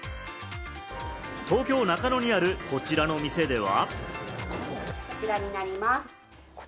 東京・中野にあるこちらの店では。